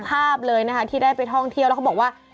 ภาพเลยนะคะที่ได้ไปท่องเที่ยวแล้วเขาบอกว่า